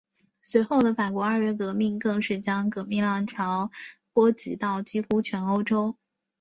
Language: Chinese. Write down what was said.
随后的法国二月革命更是将革命浪潮波及到几乎全欧洲。